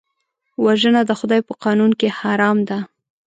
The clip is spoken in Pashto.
وژنه د خدای په قانون کې حرام ده